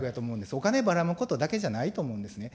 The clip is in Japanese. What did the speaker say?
お金ばらまくことだけじゃないと思うんですね。